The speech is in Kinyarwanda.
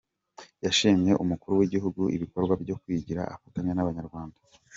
Yashimiye Umukuru w’Igihugu ibikorwa byo kwigira afatanya n’abanyarwanda.